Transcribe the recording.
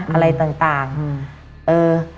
อะไรต่างเออ